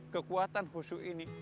kekuatan khusyuk ini